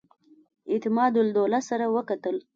اعتمادالدوله سره وکتل.